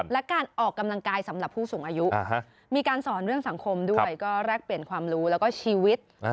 และการออกกำลังกายสำหรับผู้สูงอายุมีการสอนเรื่องสังคมด้วยก็แลกเปลี่ยนความรู้แล้วก็ชีวิต